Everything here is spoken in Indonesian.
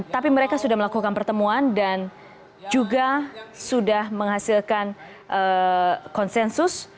tapi mereka sudah melakukan pertemuan dan juga sudah menghasilkan konsensus